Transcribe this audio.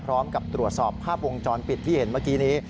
พร้อมกับตรวจสอบภาพวงจรปิดที่เห็นเมื่อกี้นี้